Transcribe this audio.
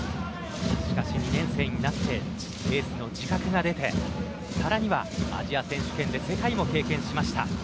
しかし、２年生になってエースの自覚が出てさらにはアジア選手権で世界も経験しました。